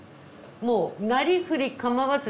もうなりふり構わず。